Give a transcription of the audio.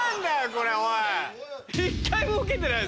これおい！